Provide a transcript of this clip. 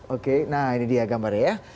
oke nah ini dia gambarnya ya